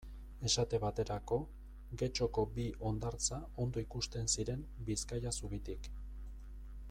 Esate baterako, Getxoko bi hondartza ondo ikusten ziren Bizkaia zubitik.